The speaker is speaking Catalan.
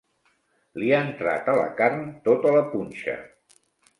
Li ha entrat a la carn tota la punxa.